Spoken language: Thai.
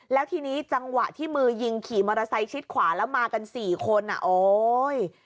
แล้วทีนี้จังหวะที่มือยิงขี่มอเตอร์ไซค์ชิดขวาแล้วมากันสี่คนอ่ะโอ๊ย